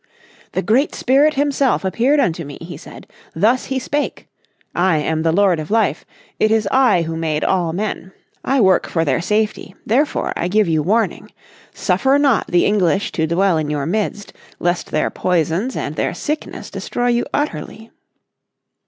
"The Great Spirit himself appeared unto me," he said. "Thus he spake. 'I am the Lord of Life. It is I who made all men. I work for their safety, therefore I give you warning. Suffer not the English to dwell in your midst, lest their poisons and their sickness destroy you utterly.'"